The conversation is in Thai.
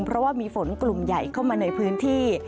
เพราะว่ามีฝนกลุ่มใหญ่เข้ามาในพื้นที่